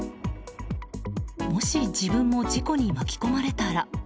もし自分も事故に巻き込まれたら。